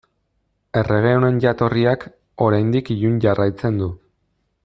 Errege honen jatorriak, oraindik ilun jarraitzen du.